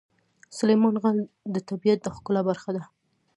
سلیمان غر د طبیعت د ښکلا برخه ده.